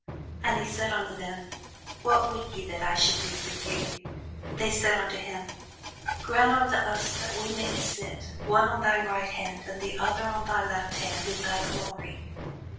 And he said unto them, What would ye that I should do for you? They said unto him, Grant unto us that we may sit, one on thy right hand, and the other on thy left hand, in thy glory.